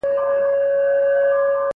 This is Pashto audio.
که بل هر څنگه وي، گيله ترېنه هيڅوک نه کوي